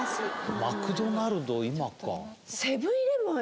マクドナルド今か。